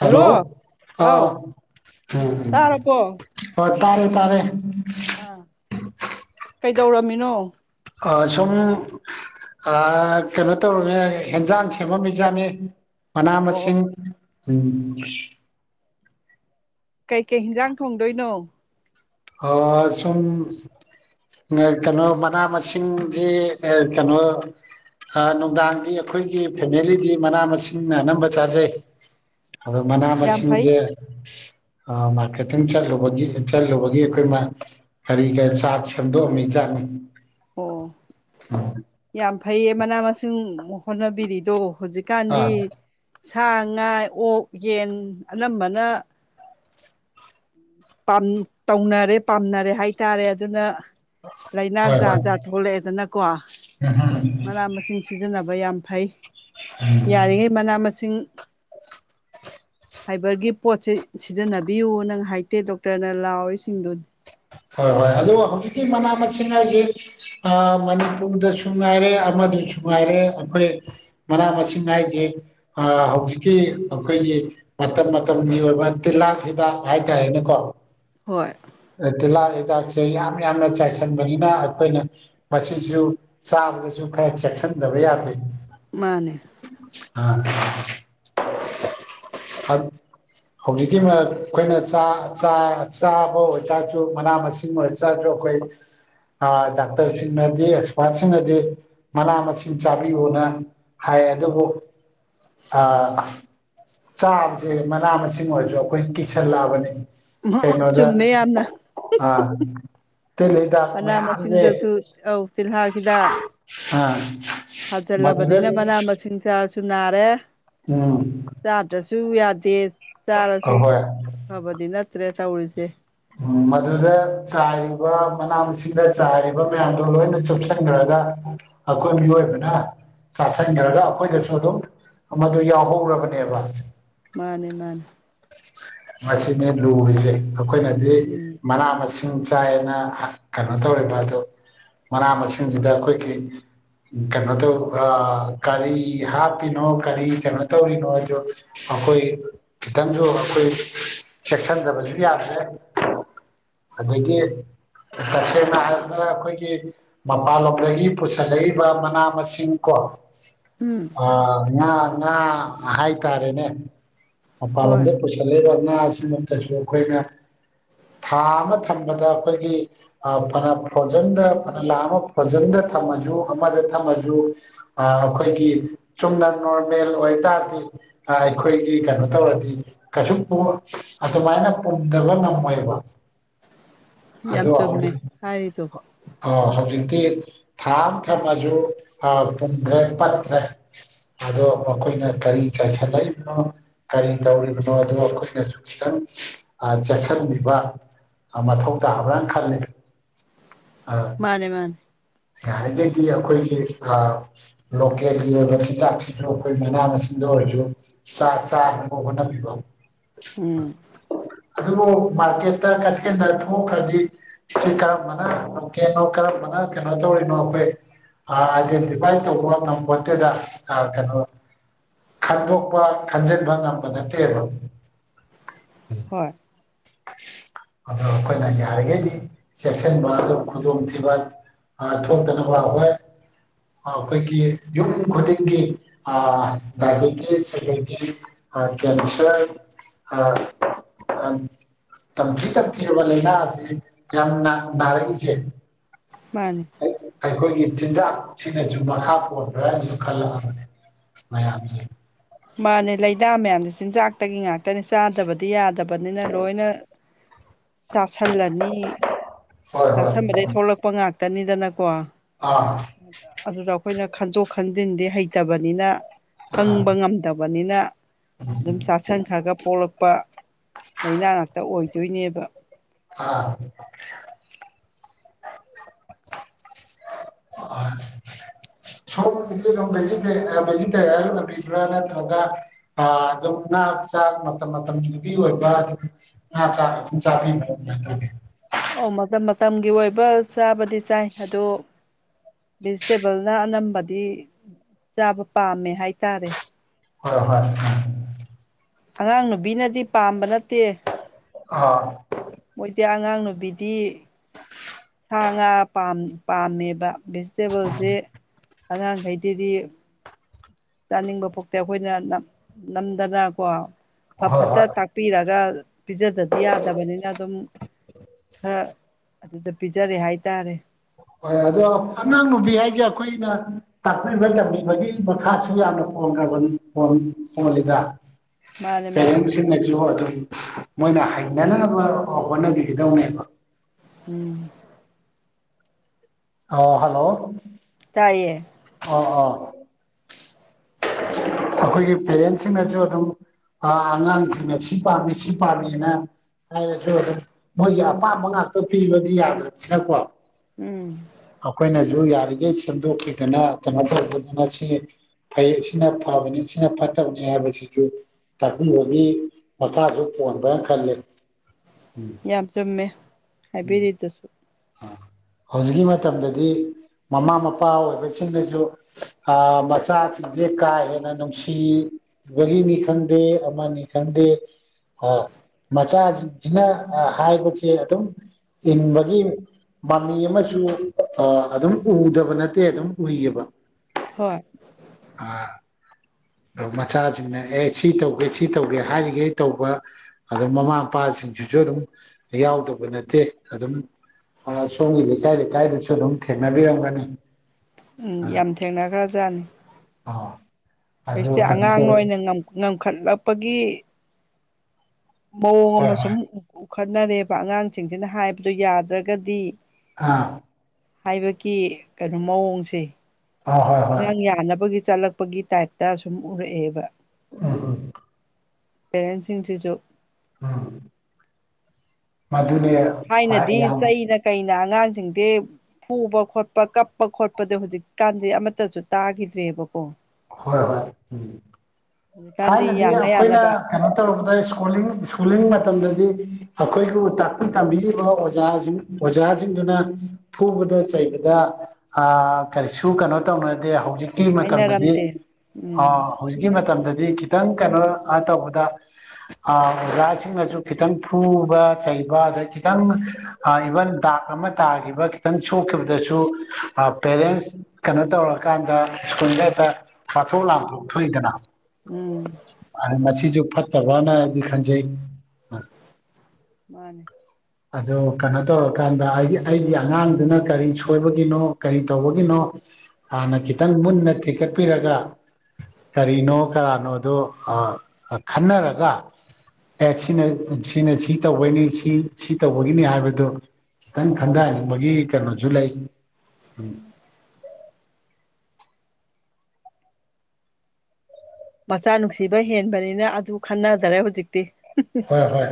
hello ꯑꯥꯎ ꯇꯥꯔꯕꯣ ꯑ ꯇꯥꯔꯦ ꯇꯥꯔꯦ ꯑꯥ ꯀꯩꯗꯧꯔꯝꯃꯤꯅꯣ ꯑ ꯁꯨꯝ ꯀꯩꯅꯣ ꯇꯧꯔꯤꯅꯦ ꯌꯦꯟꯖꯥꯡ ꯁꯦꯝꯃꯝꯃꯤꯖꯥꯅꯤ ꯃꯅꯥ ꯃꯁꯤꯡ ꯑꯣ ꯎꯝ ꯀꯩꯀꯩ ꯏꯟꯖꯥꯡ ꯊꯣꯡꯗꯣꯏꯅꯣ ꯑ ꯁꯨꯝ ꯀꯩꯅꯣ ꯃꯅꯥ ꯃꯁꯤꯡꯗꯤ ꯀꯩꯅꯣ ꯅꯨꯡꯗꯥꯡꯗꯤ ꯑꯩꯈꯣꯏꯒꯤ ꯐꯦꯃꯦꯂꯤꯗꯤ ꯃꯅꯥ ꯃꯁꯤꯡꯅ ꯑꯅꯝꯕ ꯆꯥꯖꯩ ꯑꯗꯣ ꯃꯅꯥ ꯌꯥꯝ ꯐꯩ ꯃꯁꯤꯡꯁꯦ ꯃꯥꯔꯀꯦꯇꯤꯡ ꯆꯠꯂꯨꯕꯒꯤ ꯆꯠꯂꯨꯕꯒꯤ ꯑꯩꯈꯣꯏ ꯀꯔꯤ ꯀꯔꯤ ꯆꯥꯛ ꯁꯦꯝꯗꯣꯛꯑꯝꯃꯤꯖꯥꯅꯤ ꯑꯣ ꯑ [inaudible] ꯌꯥꯝ ꯐꯩꯌꯦ ꯃꯅꯥ ꯃꯁꯤꯡ ꯍꯣꯠꯅꯕꯤꯔꯤꯗꯣ ꯍꯧꯖꯤꯛꯀꯥꯟꯗꯤ ꯑꯥ ꯁꯥ ꯉꯥ ꯑꯣꯛ ꯌꯦꯟ ꯑꯅꯝꯕꯅ ꯇꯧꯅꯔꯦ ꯄꯥꯝꯅꯔꯦ ꯍꯥꯏꯇꯥꯔꯦ ꯑꯗꯨꯅ ꯂꯥꯏꯅꯥ ꯍꯣꯏ ꯖꯥꯠ ꯍꯣꯏ ꯖꯥꯠ ꯊꯣꯛꯂꯛꯑꯦꯗꯅꯀꯣ ꯎꯝ ꯃꯅꯥ ꯃꯁꯤꯡ ꯁꯤꯖꯤꯟꯅꯕ ꯌꯥꯝ ꯐꯩ ꯌꯥꯔꯤꯈꯩ ꯃꯅꯥ ꯃꯁꯤꯡ ꯐꯥꯏꯕꯔꯒꯤ ꯄꯣꯠꯁꯦ ꯁꯤꯖꯤꯟꯅꯕꯤꯌꯨ ꯅꯪ ꯍꯥꯏ ꯗꯣꯛꯇꯔꯅ ꯂꯥꯎꯔꯤꯁꯤꯡꯗꯨ ꯍꯣꯏ ꯍꯣꯏ ꯑꯗꯨ ꯍꯧꯖꯤꯛꯀꯤ ꯃꯅꯥ ꯃꯁꯤꯡ ꯍꯥꯏꯁꯦ ꯃꯅꯤꯄꯨꯔꯗꯁꯨ ꯉꯥꯏꯔꯦ ꯑꯃ ꯉꯥꯏꯔꯦ ꯑꯩꯈꯣꯏ ꯃꯅꯥ ꯃꯁꯤꯡ ꯍꯥꯏꯁꯦ ꯍꯧꯖꯤꯛꯀꯤ ꯑꯩꯈꯣꯏꯒꯤ ꯃꯇꯝ ꯃꯇꯝꯒꯤ ꯑꯣꯏꯕ ꯇꯤꯜꯍꯥꯛ ꯍꯤꯗꯥꯛ ꯍꯥꯏꯇꯥꯔꯦꯅꯦꯀꯣ ꯍꯣꯏ ꯇꯤꯜꯍꯥꯛ ꯍꯤꯗꯥꯛꯁꯦ ꯌꯥꯝ ꯌꯥꯝꯅ ꯆꯥꯏꯁꯤꯟꯕꯅꯤꯅ ꯑꯩꯈꯣꯏꯅ ꯃꯁꯤꯁꯨ ꯆꯥ ꯕꯗꯁꯨ ꯈꯔ ꯆꯦꯛꯁꯤꯟꯗꯕ ꯌꯥꯗꯦ ꯃꯥꯅꯦ ꯑ ꯍꯧꯖꯤꯛꯀꯤ ꯑꯩꯈꯣꯏꯅ ꯆꯥ ꯆꯥꯕ ꯆꯥꯔꯁꯨ ꯃꯅꯥ ꯃꯁꯤꯡ ꯑꯣꯏ ꯆꯥꯁꯨ ꯑꯩꯈꯣꯏ ꯗꯥꯛꯇꯔꯁꯤꯡꯅꯗꯤ ꯑꯦꯛꯁꯄꯥꯔꯠꯁꯤꯡꯅꯗꯤ ꯃꯅꯥ ꯃꯁꯤꯡ ꯆꯥꯕꯤꯌꯨꯅ ꯍꯥꯏ ꯑꯦ ꯑꯗꯨꯕꯨ ꯑ ꯆꯥꯕꯁꯦ ꯃꯅꯥ ꯃꯁꯤꯡ ꯑꯣꯏꯔꯁꯨ ꯑꯩꯈꯣꯏ ꯀꯤꯁꯜꯂꯛꯑꯕꯅꯤ ꯆꯨꯝꯃꯦ ꯌꯥꯝ ꯑ ꯇꯤꯜ ꯍꯤꯗꯥꯛ ꯃꯅꯥ ꯃꯌꯥꯝꯁꯦ ꯃꯁꯤꯡꯗꯁꯨ ꯑꯧ ꯇꯤꯜꯍꯥꯠ ꯍꯤꯗꯥꯛ ꯑ ꯊꯥꯖꯤꯜꯂꯕꯅꯤꯅ ꯃꯅꯥ ꯃꯁꯤꯡ ꯆꯥꯔꯁꯨ ꯅꯥꯔꯦ ꯎꯝ ꯆꯥꯗ꯭ꯔꯁꯨ ꯌꯥꯗꯦ ꯆꯥꯔꯁꯨ ꯑꯍꯣꯏ ꯐꯕꯗꯤ ꯅꯠꯇ꯭ꯔꯦ ꯇꯧꯔꯤꯁꯦ ꯎꯝ ꯃꯗꯨꯗ ꯆꯥꯏꯔꯤꯕ ꯃꯅꯥ ꯃꯁꯤꯡꯗ ꯆꯥꯏꯔꯤꯕ ꯃꯌꯥꯝꯗꯣ ꯂꯣꯏꯅ ꯆꯨꯞꯁꯤꯟꯈ꯭ꯔꯅꯤ ꯑꯩꯈꯣꯏ ꯃꯤꯑꯣꯏꯕꯅ ꯆꯥꯁꯤꯟꯈꯔꯒ ꯑꯩꯈꯣꯏꯗꯁꯨ ꯑꯗꯨꯝ ꯑꯃꯗꯨ ꯌꯥꯎꯍꯧꯔꯕꯅꯦꯕ ꯃꯥꯅꯦ ꯃꯥꯅꯦ ꯃꯁꯤꯅꯤ ꯂꯨꯔꯤꯁꯦ ꯑꯩꯈꯣꯏꯅꯗꯤ ꯎꯝ ꯃꯅꯥ ꯃꯁꯤꯡ ꯆꯥꯏꯅ ꯀꯩꯅꯣ ꯇꯧꯔꯤꯕ ꯑꯗꯨ ꯃꯅꯥ ꯃꯁꯤꯡꯁꯤꯗꯨꯗ ꯑꯩꯈꯣꯏꯒꯤ ꯀꯩꯅꯣ ꯇꯧ ꯀꯔꯤ ꯍꯥꯞꯄꯤꯅꯣ ꯀꯔꯤ ꯀꯩꯅꯣ ꯇꯧꯔꯤꯅꯣꯗꯣ ꯑꯩꯈꯣꯏ ꯈꯤꯇꯪꯁꯨ ꯑꯩꯈꯣꯏ ꯆꯦꯛꯁꯤꯟꯗꯕꯁꯨ ꯌꯥꯗ꯭ꯔꯦ ꯑꯗꯨꯇꯩꯗꯒꯤ ꯇꯁꯦꯡꯅ ꯍꯥꯏꯔꯕꯗ ꯑꯩꯈꯣꯏꯒꯤ ꯃꯄꯥꯟꯂꯣꯝꯗꯒꯤ ꯄꯨꯁꯤꯜꯂꯛꯏꯕ ꯃꯅꯥ ꯃꯁꯤꯡ ꯀꯣ ꯎꯝ ꯑ ꯉ ꯉ ꯍꯥꯏ ꯇꯥꯔꯦꯅꯦ ꯃꯄꯥꯜ ꯍꯣꯏ ꯂꯝꯗ ꯄꯨꯁꯤꯜꯂꯛꯏꯕ ꯉꯥ ꯑꯁꯤꯃꯛꯇꯁꯨ ꯑꯩꯈꯣꯏꯅ ꯊꯥ ꯑꯃ ꯊꯝꯕꯗ ꯑꯩꯈꯣꯏꯒꯤ ꯐꯅ ꯐꯣꯟꯖꯤꯟꯗ ꯐꯅ ꯂꯥꯑ ꯑꯃ ꯐꯣꯟꯖꯤꯟꯗ ꯊꯝꯃꯁꯨ ꯑꯃꯗ ꯊꯝꯃꯁꯨ ꯑꯩꯈꯣꯏꯒꯤ ꯆꯨꯝꯅ ꯅꯣꯔꯃꯦꯜ ꯑꯣꯏꯇꯥꯔꯗꯤ ꯑꯥ ꯑꯩꯈꯣꯏ ꯀ ꯀ ꯇꯧꯔꯗꯤ ꯀꯩꯁꯨ ꯑꯗꯨꯃꯥꯏꯅ ꯄꯨꯝꯗꯕ ꯉꯝꯃꯣꯏꯕ ꯌꯥꯝ ꯆꯨꯝꯃꯦ ꯍꯥꯏꯔꯤꯗꯣ ꯑ ꯍꯧꯖꯤꯛꯇꯤ ꯊꯥ ꯑꯃ ꯊꯝꯃꯁꯨ ꯄꯨꯝꯈ꯭ꯔꯦ ꯄꯠꯇ꯭ꯔꯦ ꯑꯗ ꯑꯩꯈꯣꯏꯅ ꯀꯔꯤ ꯆꯥ ꯆꯥ ꯂꯩꯅ ꯀꯔꯤ ꯇꯧꯔꯤꯕꯅꯣ ꯑꯣ ꯑꯩꯈꯣꯏꯅꯁꯨ ꯈꯤꯇꯪ ꯆꯦꯛꯁꯤꯟꯕꯤꯕ ꯃꯊꯧ ꯇꯥꯕ꯭ꯔꯅ ꯈꯜꯂꯦꯗ ꯃꯥꯅꯦ ꯃꯥꯅꯦ ꯌꯥꯔꯤꯈꯩꯗꯤ ꯑꯩꯈꯣꯏꯒꯤ ꯂꯣꯀꯦꯜꯒꯤ ꯑꯣꯏꯕ ꯆꯤꯟꯖꯥꯛꯁꯤꯡꯁꯨ ꯑꯩꯈꯣꯏ ꯃꯅꯥ ꯃꯁꯤꯡ ꯑꯣꯏꯔꯁꯨ ꯆ ꯆꯥꯅꯕ ꯍꯣꯠꯅꯕꯤꯕ ꯎꯝ ꯑꯗꯨꯕꯨ ꯃꯥꯔꯀꯦꯠꯇ ꯀꯩꯊꯦꯜꯗ ꯊꯣꯛꯈ꯭ꯔꯗꯤ ꯁꯤꯁ ꯀꯔꯝꯕꯅꯣꯀꯅꯣ ꯀꯔꯝꯕꯅ ꯀꯩꯅꯣ ꯇꯧꯔꯤꯅꯣ ꯑꯩꯈꯣꯏ ꯍꯥꯏꯗꯤ ꯐꯥꯏꯅ ꯇꯧꯕ ꯅꯪ ꯐꯣꯟꯠꯇꯗ ꯀꯩꯅꯣ ꯈꯟꯗꯣꯛꯄ ꯈꯟꯖꯤꯟꯕ ꯉꯝꯕ ꯅꯠꯇꯦꯕ ꯍꯣꯏ ꯑꯗꯣ ꯑꯩꯈꯣꯏꯅ ꯌꯥꯔꯤꯈꯩꯗꯤ ꯆꯦꯛꯁꯤꯟꯕ ꯑꯗꯨ ꯈꯨꯗꯣꯡꯊꯤꯕ ꯑꯊꯣꯛ ꯇꯅ ꯍꯣꯏ ꯑꯩꯈꯣꯏꯒꯤ ꯌꯨꯝ ꯈꯨꯗꯤꯡꯒꯤ ꯗꯥꯇꯤꯁꯇ ꯑ ꯀꯦꯝꯁꯟ ꯑ ꯑ ꯇꯝꯊꯤ ꯇꯝꯊꯤꯔꯕ ꯂꯥꯏꯅꯥ ꯑꯁꯤ ꯌꯥꯝꯅꯥ ꯅꯥꯔꯩꯁꯦ ꯃꯥꯅꯤ ꯑꯩꯈꯣꯏꯒꯤ ꯆꯤꯟꯖꯥꯛꯁꯤꯅꯁꯨ ꯃꯈꯥ ꯄꯣꯟꯕ꯭ꯔꯥ ꯍꯥꯏꯅꯁꯨ ꯈꯜꯂꯛꯑꯕꯅꯦ ꯃꯌꯥꯝꯁꯦ ꯃꯥꯅꯦ ꯂꯥꯏꯅꯥ ꯃꯌꯥꯝꯁꯦ ꯆꯤꯟꯖꯥꯛꯇꯒꯤ ꯉꯥꯛꯇꯅꯦ ꯆꯥꯗꯕꯗꯤ ꯌꯥꯗꯕꯅꯤꯅ ꯂꯣꯏꯅ ꯆꯥꯁꯜꯂꯅꯤ ꯍꯣꯏ ꯍꯣꯏ ꯆꯥꯁꯟꯕꯗꯒꯤꯩ ꯊꯣꯛꯂꯛꯄ ꯉꯥꯛꯇ ꯇꯅꯤꯗꯅꯀꯣ ꯑꯥ ꯑꯗꯨꯗ ꯑꯩꯈꯣꯏꯅ ꯈꯟꯗꯣꯛ ꯈꯟꯖꯤꯟꯗꯤ ꯍꯩꯇꯕꯅꯤꯅ ꯈꯪꯕ ꯑꯥ ꯉꯝꯗꯕꯅꯤꯅ ꯑꯗꯨꯝ ꯆꯥꯁꯟ ꯈ꯭ꯔꯒ ꯄꯣꯛꯂꯛꯄ ꯂꯥꯏꯅꯥ ꯉꯥꯛꯇ ꯑꯣꯏꯗꯣꯏꯅꯦꯕ ꯑ ꯑ ꯁꯣꯝꯒꯤꯗꯤ ꯑꯗꯨꯝ ꯚꯦꯖꯤꯇꯦꯔꯤꯌꯦꯟ ꯑꯣꯏꯝꯕꯤꯕ꯭ꯔꯥ ꯅꯠꯇ꯭ꯔꯒ ꯑꯗꯨꯝ ꯉꯥ ꯆꯥꯛ ꯃꯇꯝ ꯃꯇꯝꯗꯨꯒꯤ ꯑꯣꯏꯕ ꯑꯗꯨꯝ ꯉꯥ ꯆꯥꯛ ꯑꯗꯨꯝ ꯆꯥꯕꯤ ꯦ ꯑꯣ ꯃꯇꯝ ꯃꯇꯝꯒꯤ ꯑꯣꯏꯕ ꯆꯥꯕꯗꯤ ꯆꯥꯏ ꯑꯗꯣ ꯚꯦꯖꯤꯇꯦꯕꯜꯅ ꯑꯅꯝꯕꯗꯤ ꯆꯥꯕ ꯄꯥꯝꯃꯦ ꯍꯥꯏꯇꯥꯔꯦ ꯍꯣꯏ ꯍꯣꯏ ꯑꯉꯥꯡ ꯅꯨꯨꯕꯤꯅꯗꯤ ꯄꯥꯝꯕ ꯅꯠꯇꯦ ꯑꯥ ꯃꯣꯏꯗꯤ ꯑꯉꯥꯡ ꯅꯨꯕꯤꯗꯤ ꯁꯥ ꯉꯥ ꯄꯥꯝꯃꯦꯕ ꯚꯤꯖꯤꯇꯦꯕꯜꯁꯦ ꯑꯉꯥꯡꯈꯩꯗꯗꯤ ꯆꯥꯅꯤꯡꯕ ꯄꯣꯛꯇꯦ ꯑꯩꯈꯣꯏꯅ ꯅꯝꯗꯅꯀꯣ ꯐ ꯍꯣꯏ ꯐꯠꯇ ꯍꯣꯏ ꯇꯥꯛꯄꯤꯔꯒ ꯄꯤꯖꯗꯗꯤ ꯌꯥꯗꯕꯅꯤꯅ ꯑꯗꯨꯝ ꯈꯔ ꯑꯗꯨꯗ ꯄꯤꯖꯔꯦ ꯍꯥꯏꯇꯥꯔꯦ ꯍꯣꯏ ꯑꯗꯣ ꯑꯉꯥꯡ ꯅꯨꯕꯤ ꯍꯥꯏꯁꯦ ꯑꯈꯣꯏꯅ ꯇꯥꯛꯄꯤꯕ ꯇꯝꯕꯤꯕꯒꯤ ꯃꯈꯥꯁꯨ ꯌꯥꯝꯅ ꯄꯣꯟꯒꯔꯥꯕꯅꯤ ꯐꯣꯟ ꯑꯣꯜꯂꯤꯗ ꯃꯥꯅꯦ ꯃꯥꯅꯦ ꯄꯦꯔꯦꯟꯁꯤꯡꯅꯁꯨ ꯑꯗꯨꯝ ꯃꯣꯏꯅ ꯍꯩꯅꯅꯕ ꯍꯣꯠꯅꯕꯤꯒꯗꯧꯅꯦꯕ ꯎꯝ ꯑ ꯍꯜꯂꯣ ꯇꯥꯏꯌꯦ ꯑꯣ ꯑꯣ [inaudible] ꯑꯩꯈꯣꯏꯒꯤ ꯄꯦꯔꯦꯟꯁꯁꯤꯡꯅꯁꯨ ꯑꯗꯨꯝ ꯑ ꯑꯉꯥꯡꯁꯤꯡꯅ ꯁꯤ ꯄꯥꯝꯃꯤ ꯁꯤ ꯄꯥꯝꯃꯤꯅ ꯍꯥꯏꯔꯁꯨ ꯑꯗꯨꯝ ꯃꯣꯏꯒꯤ ꯑꯄꯥꯝꯕ ꯉꯥꯛꯇ ꯄꯤꯕꯗꯤ ꯌꯥꯗ꯭ꯔꯝꯅꯤꯅꯀꯣ ꯎꯝ ꯑꯈꯣꯏꯅ ꯗꯨ ꯌꯥꯔꯤꯈꯩ ꯁꯦꯝꯗꯣꯛꯈꯤꯗꯅ ꯀꯩꯅꯣ ꯇꯧꯕꯕꯤꯗꯅ ꯁꯤ ꯐꯩ ꯁꯤꯅ ꯐꯕꯅꯤ ꯁꯤꯅ ꯐꯠꯇꯕꯅꯤ ꯍꯥꯏꯕꯁꯤꯁꯨ ꯇꯥꯛꯄꯤꯕꯒꯤ ꯃꯈꯥꯁꯨ ꯄꯣꯟꯕ꯭ꯔ ꯈ ꯑꯜꯂꯤ ꯌꯥꯝ ꯆꯨꯝꯃꯦ ꯍꯥꯏꯕꯤꯔꯤꯗꯨꯁꯨ ꯑ ꯍꯧꯖꯤꯛꯀꯤ ꯃꯇꯝꯗꯗꯤ ꯃꯃꯥ ꯃꯄꯥ ꯑꯣꯏꯕꯁꯤꯡꯅꯁꯨ ꯑ ꯃꯆꯥꯁꯤꯡꯁꯦ ꯀꯥ ꯍꯦꯟꯅ ꯅꯨꯡꯁꯤ ꯕꯒꯤꯅꯤ ꯈꯪꯗꯦ ꯑꯃꯅꯤ ꯈꯪꯗꯦ ꯍꯣꯏ ꯃꯆꯥꯖꯤꯡꯁꯤꯅ ꯍꯥꯏꯕꯁꯦ ꯑꯗꯨꯝ ꯏꯟꯕꯒꯤ ꯃꯃꯤ ꯑꯃꯁꯨ ꯑ ꯑꯗꯨꯝ ꯎꯗꯕ ꯅꯠꯇꯦ ꯑꯗꯨꯝ ꯎꯏꯌꯦꯕ ꯍꯣꯏ ꯑ ꯃꯆꯥꯁꯤꯡꯅ ꯑꯦ ꯁꯤ ꯇꯧꯒꯦ ꯁꯤ ꯇꯧꯒꯦ ꯍꯥꯏꯔꯤꯒꯩ ꯇꯧꯕ ꯑꯗꯨꯝ ꯃꯃꯥ ꯃꯄꯥꯁꯤꯡ ꯁꯤꯡꯁꯤꯁꯨ ꯑꯗꯨꯝ ꯌꯥꯎꯗꯕ ꯅꯠꯇꯦ ꯑꯗꯨꯝ ꯑ ꯁꯣꯝꯒꯤ ꯂꯩꯀꯥꯏ ꯂꯩꯀꯥꯏꯗꯁꯨ ꯑꯗꯨꯝ ꯊꯦꯡꯅꯕꯤꯔꯝꯒꯅꯤ ꯎꯝ ꯌꯥꯝ ꯊꯦꯡꯅꯒꯔ꯭ꯖꯥꯅꯤ ꯑꯥ ꯑꯗꯨ ꯍꯧꯖꯇꯤ ꯀꯩꯅꯣ ꯑꯉꯥꯡ ꯇꯧꯋꯤ ꯑꯣꯏꯅ ꯉꯝ ꯉꯝꯈꯠꯂꯛꯄꯒꯤ ꯃꯑꯣꯡ ꯍꯣꯏ ꯑꯃ ꯍꯣꯏ ꯁꯨꯝ ꯎꯈꯠꯅꯔꯦꯕ ꯑꯉꯥꯡꯁꯤꯡꯁꯤꯅ ꯍꯥꯏꯕꯗꯨ ꯌꯥꯗ꯭ꯔꯒꯗꯤ ꯑꯥ ꯍꯥꯏꯕꯒꯤ ꯀꯩꯅꯣ ꯃꯑꯣꯡꯁꯦ ꯑꯥ ꯍꯣꯏ ꯍꯣꯏ ꯑꯉꯥꯡ ꯌꯥꯅꯕꯒꯤ ꯆꯠꯂꯛ ꯄꯒꯤ ꯇꯥꯏꯞꯇ ꯁꯨꯝ ꯎꯔꯛꯑꯦꯕ ꯎꯝ ꯄꯦꯔꯦꯟꯁꯤꯡꯁꯤꯁꯨ ꯎꯝ ꯃꯗꯨꯅꯦ ꯈ꯭ꯋꯥꯏ ꯊꯥꯏꯅꯗꯤ ꯌꯥꯝ ꯆꯩꯩꯅ ꯀꯩꯅ ꯑꯉꯥꯡꯁꯤꯡꯗꯤ ꯐꯨꯕ ꯈꯣꯠꯄ ꯀꯞꯄ ꯈꯣꯠꯄꯗꯣ ꯍꯧꯖꯤꯛꯀꯥꯟꯗꯤ ꯑꯃꯠꯇꯁꯨ ꯇꯥꯒꯤꯗ꯭ꯔꯦꯕꯀꯣ ꯍꯣꯏ ꯍꯣꯏ ꯎꯝ ꯍꯧꯖꯤꯛꯀꯥꯟꯗꯤ ꯊꯥꯏꯅꯗꯤ ꯌꯥꯅ ꯑꯈꯣꯏꯅ ꯌꯥꯅꯕ ꯀꯩꯅꯣ ꯇꯧꯔꯛꯄꯗ ꯏꯁ꯭ꯀꯨ ꯏꯁꯀꯨꯂꯤꯡ ꯃ ꯇꯝꯗꯗꯤ ꯑꯈꯣꯏꯕꯨ ꯇꯥꯛꯄꯤ ꯇꯝꯕꯤꯔꯤꯕ ꯑꯣꯖꯥꯁꯤꯡ ꯑꯣꯖꯥꯁꯤꯡꯗꯨꯅ ꯐꯨꯕ ꯗ ꯆꯩꯕꯗ ꯑ ꯀꯔꯤꯁꯨ ꯀꯩꯅꯣ ꯇꯧꯅꯗꯦ ꯍꯧ ꯖꯤꯛꯀꯤ ꯃꯇꯝꯗꯗꯤ ꯍꯥꯏꯅꯔꯝꯗꯦ ꯑ ꯎꯝ ꯍꯧꯖꯤꯛꯀꯤ ꯃꯇꯝꯗꯗꯤ ꯗꯤ ꯈꯤꯇꯪ ꯀꯩꯅꯣ ꯑ ꯇꯧꯕꯗ ꯑ ꯑꯣꯖꯥꯁꯤꯡꯅꯁꯨ ꯈꯤꯇꯪ ꯐꯨꯕ ꯆꯩ ꯕ ꯑꯗꯩ ꯈꯤꯇꯪ ꯏꯚꯟ ꯗꯥꯛ ꯑꯃ ꯇꯥꯒꯤꯕ ꯈꯤꯇꯪ ꯁꯣꯛꯈꯤꯕꯗꯁꯨ ꯑ ꯄꯦꯔꯦꯟꯁ ꯀꯩꯅꯣ ꯇꯧꯔꯀꯥꯟꯗ ꯁ꯭ꯀꯨꯟꯗ ꯇ ꯄꯥꯊꯣꯛ ꯂꯥꯟꯊꯣꯛ ꯊꯣꯛꯏꯗꯅ ꯎꯝ ꯑ ꯃꯁꯤꯁꯨ ꯐꯠ ꯇꯕ꯭ꯔꯅ ꯑꯩꯗꯤ ꯈꯟꯖꯩ ꯃꯥꯅꯦ ꯑꯗꯣ ꯀꯩꯅꯣ ꯇꯧꯔꯀꯥꯟꯗ ꯑꯩꯒꯤ ꯑꯩꯒꯤ ꯑꯉꯥꯡꯗꯨꯅ ꯀꯔꯤ ꯁꯣꯏꯕꯒꯤꯅꯣ ꯀꯔꯤ ꯇꯧꯕꯒꯤꯅꯣ ꯍꯥꯟꯅ ꯈꯤꯇꯪ ꯃꯨꯟꯅ ꯊꯤꯀꯠꯄꯤꯔꯒ ꯀꯔꯤꯅꯣ ꯀꯔꯥꯅꯣꯗꯣ ꯈꯟꯅꯔꯒ ꯑꯦ ꯁꯤꯅ ꯁꯤꯅ ꯁꯤ ꯇꯧꯕꯅꯤ ꯁꯤ ꯁꯤ ꯇꯧꯕꯒꯤꯅꯤ ꯍꯥꯏꯕꯗꯨ ꯈꯤꯇꯪ ꯈꯟꯊꯍꯟꯅꯤꯡꯕꯒꯤ ꯀꯩꯅꯣꯁꯨ ꯂꯩ ꯎꯝ ꯃꯆꯥ ꯅꯨꯡꯁꯤꯕ ꯍꯦꯟꯕꯅꯤꯅ ꯑꯗꯨ ꯈꯟꯅꯗꯔꯦ ꯍꯧꯖꯤꯛꯇꯤ ꯍꯣꯏ ꯍꯣꯏ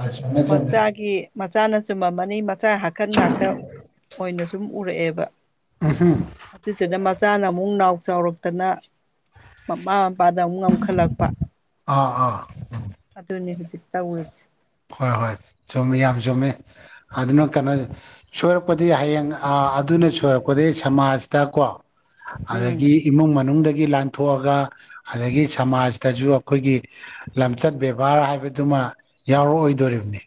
ꯑ ꯃꯆꯥꯒꯤ ꯃꯆꯥꯅ ꯆꯨꯝꯃꯝꯃꯅꯤ ꯃꯆꯥ ꯍꯥꯈꯟ ꯉꯥꯛꯇ ꯑꯣꯏꯅꯁꯨ ꯑꯗꯨꯨꯝ ꯎꯔꯛꯑꯦꯕ ꯑꯗꯨꯗꯨꯅ ꯃꯆꯥꯅ ꯑꯃꯨꯛ ꯅꯥꯎ ꯆꯥꯎꯔꯛꯇꯅ ꯃꯃꯥ ꯃꯄꯥꯗ ꯑꯃꯨꯛ ꯉꯝꯈꯠꯂꯛꯄ ꯑꯥ ꯑꯥ ꯎꯝ ꯑꯗꯨꯅꯤ ꯍꯧꯖꯤꯛ ꯇꯧꯔꯤꯁꯤ ꯍꯣꯏ ꯍꯣꯏ ꯆꯨꯝꯃꯦ ꯌꯥꯝ ꯆꯨꯝꯃꯦ ꯑꯗꯨꯅ ꯀꯩꯅꯣ ꯁꯣꯏꯔꯛꯄꯗꯤ ꯍꯌꯦꯡ ꯑꯗꯨ ꯑꯩꯅ ꯁꯣꯏꯔꯛꯄꯗꯤ ꯁꯃꯥꯖꯇ ꯀꯣ ꯎꯝ ꯑꯗꯒꯤ ꯏꯃꯨꯡ ꯃꯅꯨꯡꯗ ꯒꯤ ꯂꯥꯟꯊꯣꯛꯑꯒ ꯑꯗꯒꯤ ꯁꯃꯥꯖꯇꯁꯨ ꯑꯩꯈꯣꯏꯒꯤ ꯂꯝꯆꯠ ꯕꯦꯕꯥꯔ ꯍꯥꯏꯕꯗꯨꯃ ꯌꯥꯎꯔꯛꯑꯣꯏꯗꯣꯔꯤꯕꯅꯤ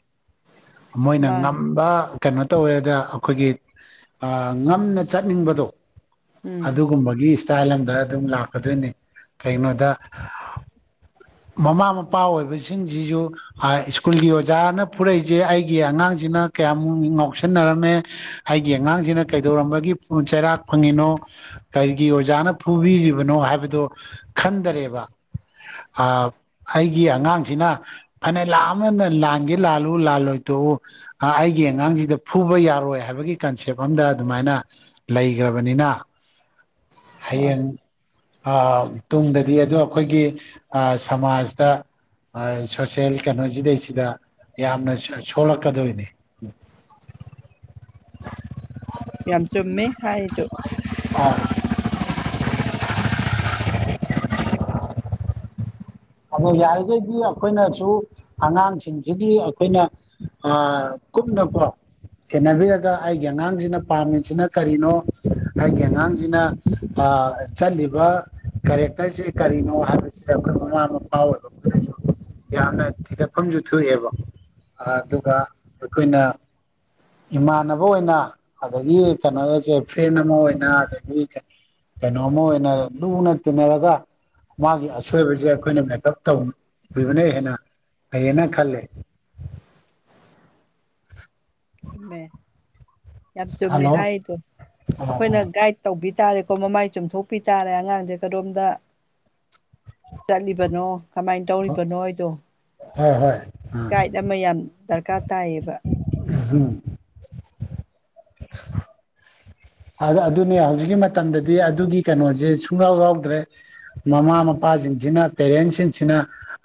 ꯃꯣꯏꯅ ꯃꯥꯅꯦ ꯉꯝꯕ ꯀꯩꯅꯣ ꯇꯧꯋꯦꯗ ꯑꯩꯈꯣꯏꯒꯤ ꯉꯝꯅ ꯆꯠꯅꯤꯡꯕꯗꯣ ꯎꯝ ꯑꯗꯨꯒꯨꯝꯕꯒꯤ ꯏꯁꯇꯥꯏꯜ ꯑꯝꯗ ꯑꯗꯨꯝ ꯂꯥꯛꯀꯗꯣꯏꯅꯤ ꯀꯒꯤꯅꯣꯗ ꯃꯃꯥ ꯃꯄꯥ ꯑꯣꯏꯕꯁꯤꯡꯁꯤꯁꯨ ꯁ꯭ꯀꯨꯜꯒꯤ ꯑꯣꯖꯥꯅ ꯐꯨꯔꯛꯏ ꯏꯁꯦ ꯑꯩꯒꯤ ꯑꯉꯥꯡꯁꯤꯅ ꯀꯌꯥꯃꯨꯛ ꯉꯥꯎꯁꯤꯟꯅꯔꯝꯃꯦ ꯑꯩꯒꯤ ꯑꯉꯥꯡꯁꯤꯅ ꯀꯩꯗꯧꯔꯝꯕꯒꯤ ꯆꯩꯔꯥꯛ ꯐꯪꯉꯤꯅꯣ ꯀꯔꯤꯒꯤ ꯑꯣꯖꯥꯅ ꯐꯨꯕꯤꯔꯤꯕꯅꯣ ꯍꯥꯏꯕꯗꯣ ꯈꯟꯗꯔꯦꯕ ꯑ ꯑꯩꯒꯤ ꯑꯉꯥꯡꯁꯤꯅ ꯐꯅ ꯂꯥ ꯑꯃꯅ ꯂꯥꯟꯒꯦ ꯂꯥꯜꯂ ꯎ ꯂꯥ ꯂꯣꯏꯇꯣꯛꯎ ꯑꯩꯒꯤ ꯑꯉꯥꯡꯁꯤꯗ ꯐꯨꯕ ꯌꯥꯔꯣꯏ ꯍꯥꯏꯕꯒꯤ ꯀꯟꯁꯦꯞ ꯑꯝꯗ ꯑꯗꯨꯃꯥꯏꯅ ꯂꯩꯈ꯭ꯔꯕꯅꯤꯅ [inaudible] ꯍꯌꯦꯡ ꯑ ꯇꯨꯡꯗꯗꯤ ꯑꯗꯨ ꯑꯩꯈꯣꯏꯒꯤ ꯁꯃꯥꯖꯇ ꯁꯣꯁꯦꯜ ꯀꯩꯅꯣꯁꯤꯗꯩꯁꯤꯗ ꯌꯥꯝꯅ ꯁꯣꯛꯂꯛꯀꯗꯣꯏꯅꯤ ꯌꯥꯝ ꯆꯨꯝꯃꯦ ꯍꯥꯏꯔꯤꯗꯣ ꯑꯣ [inaudible] ꯑꯗꯣ ꯌꯥꯔꯤꯈꯩꯗꯤ ꯑꯩꯈꯣꯏꯅꯁꯨ ꯑꯉꯥꯡꯁꯤꯡꯁꯤꯒꯤ ꯑꯩꯈꯣꯏꯅ ꯀꯨꯞꯅꯀꯣ ꯁꯦꯟꯅꯕꯤꯔꯒ ꯑꯩꯒꯤ ꯑꯉꯥꯡꯁꯤꯅ ꯄꯥꯝꯃꯤꯁꯤꯅ ꯀꯔꯤꯅꯣ ꯑꯩꯒꯤ ꯑꯉꯥꯡꯁꯤꯅ ꯑ ꯆꯠꯂꯤꯕ ꯀꯦꯔꯦꯛꯇꯔꯁꯦ ꯀꯔꯤꯅꯣ ꯍꯥꯏꯕꯁꯤꯗ ꯑꯩꯈꯣꯏ ꯃꯃꯥ ꯄꯥ ꯑꯣꯢꯕ ꯑꯈꯣꯢꯅꯖꯨ ꯌꯥꯝꯅ ꯊꯤꯗꯠꯐꯝꯁꯨ ꯊꯣꯛꯑꯦꯕ ꯑꯗꯨꯒ ꯑꯩꯈꯣꯏꯅ ꯏꯃꯥꯟꯅꯕ ꯑꯣꯏꯅ ꯑꯗꯒꯤ ꯀꯩꯅꯣꯁꯦ ꯐ꯭ꯔꯦꯟ ꯑꯃ ꯑꯣꯏꯅ ꯑꯗꯒꯤ ꯀꯩꯅꯣ ꯑꯃ ꯑꯣꯏꯅ ꯂꯨꯅ ꯇꯤꯟꯅꯔꯒ ꯃꯥꯒꯤ ꯑꯁꯣꯏꯕꯁꯦ ꯑꯩꯈꯣꯏꯅ ꯇꯕꯅ ꯍꯦꯟꯅ ꯐꯩꯌꯦꯅ ꯈꯜꯂꯦ ꯆꯨꯝꯃꯦ [inaudible] ꯌꯥꯝ ꯆꯨꯝꯃꯦ ꯍꯜꯂꯣ ꯍꯥꯏꯔꯤꯗꯣ ꯑꯩꯈꯣꯏꯅ ꯒꯥꯏꯗ ꯇꯧꯕꯤ ꯍꯥꯏꯇꯥꯔꯦꯀꯣ ꯃꯃꯥꯏ ꯆꯨꯝꯊꯣꯛꯄꯤ ꯇꯥꯔꯦ ꯑꯉꯥꯡꯁꯦ ꯀꯔꯣꯝꯗ ꯆꯠꯂꯤꯕꯅꯣ ꯀꯃꯥꯏꯅ ꯇꯧꯔꯤꯕꯅꯣ ꯑꯩꯗꯣ ꯍꯣꯏ ꯍꯣꯏ ꯑꯥ ꯒꯥꯏꯠ ꯑꯃ ꯌꯥꯝ ꯗꯔꯀꯥꯔ ꯇꯥꯏꯌꯦꯕ ꯨꯎꯍꯨꯡ [inaudible] ꯑꯗꯨꯅꯤ ꯍꯧꯖꯤꯛꯀꯤ ꯃꯇꯝꯗꯗꯤ ꯑꯗꯨꯒꯤ ꯀꯩꯅꯣꯁꯦ ꯁꯨꯡꯌꯥꯎ ꯌꯥꯎꯗ꯭ꯔꯦ ꯃꯃꯥ ꯃꯄꯥ ꯏꯆꯥꯁꯤꯡꯁꯤꯅ ꯄꯦꯔꯦꯟꯁꯤꯡꯁꯤꯅ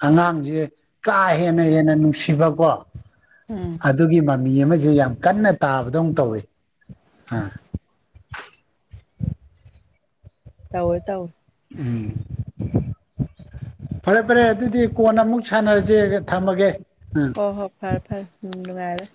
ꯑꯉꯥꯡꯁꯦ ꯀꯥ ꯍꯦꯟꯅ ꯍꯦꯟꯅ ꯅꯨꯡꯁꯤꯕꯀꯣ ꯎꯝ ꯑꯗꯨꯒꯤ ꯃꯃꯤ ꯑꯃꯁꯦ ꯌꯥꯝ ꯀꯟꯅ ꯇꯥꯕꯗꯧ ꯇꯧꯏꯤ ꯑ ꯇꯑꯣꯦ ꯇꯎ ꯎꯝ ꯐꯔꯦ ꯐꯔꯦ ꯑꯗꯨꯗꯤ ꯀꯣꯟꯅ ꯑꯃꯨꯛ ꯁꯥꯟꯅꯔꯁꯦ ꯊꯝꯃꯒꯦ ꯎꯝ ꯍꯣ ꯍꯣ ꯐꯔꯦ ꯐꯔꯦ ꯎꯝ ꯅꯨꯡꯉꯥꯏꯔꯔꯦ